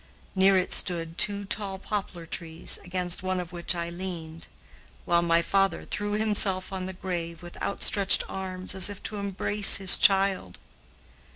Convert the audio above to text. Near it stood two tall poplar trees, against one of which I leaned, while my father threw himself on the grave, with outstretched arms, as if to embrace his child.